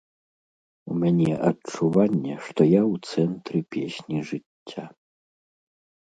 У мяне адчуванне, што я ў цэнтры песні жыцця.